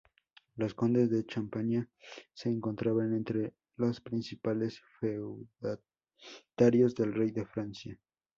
Los condes de Champaña se encontraban entre los principales feudatarios del rey de Francia.